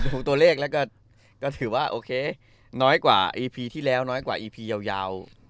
ตัวเลขแล้วก็ถือว่าโอเคน้อยกว่าอีพีที่แล้วน้อยกว่าอีพียาว